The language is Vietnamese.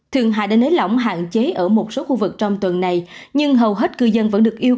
thượng hải đã lấy lỏng hạn chế ở một số khu vực trong tuần này nhưng hầu hết cư dân vẫn được yêu